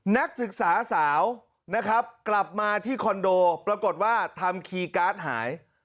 นักศึกษาสาวนะครับกลับมาที่คอนโดปรากฏว่าทำคีย์การ์ดหาย